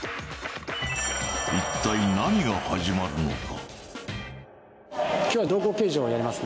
一体何が始まるのか？